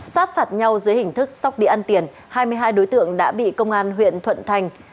sát phạt nhau dưới hình thức sóc địa ăn tiền hai mươi hai đối tượng đã bị công an huyện thuận thành